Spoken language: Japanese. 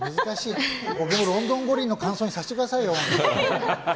僕もロンドン五輪の感想にさせてくださいよ。